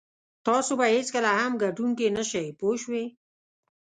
تاسو به هېڅکله هم ګټونکی نه شئ پوه شوې!.